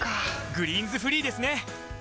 「グリーンズフリー」ですね！